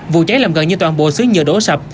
vụ cháy làm gần như toàn bộ xứ nhựa đổ sập